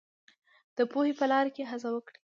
د پوهې په لار کې هڅه وکړئ.